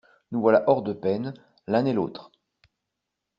Nous voilà hors de peine, l'un et l'autre.